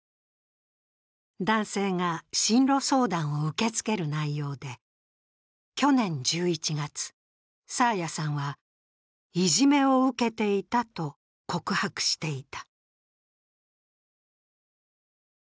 男性が進路相談を受け付ける内容で、去年１１月、爽彩さんは、いじめを受けていたと告白していた。